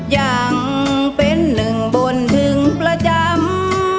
ยังเป็นหนึ่งบนถึงประจำ